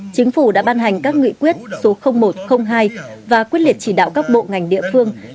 chính phủ đã ban hành các nghị quyết số một trăm linh hai và quyết liệt chỉ đạo các bộ ngành địa phương